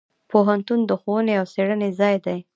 پوهنتون د ښوونې او څیړنې ځای دی.